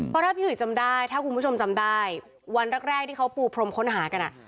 เพราะถ้าพี่อุ๋ยจำได้ถ้าคุณผู้ชมจำได้วันแรกที่เขาปูพรมค้นหากัน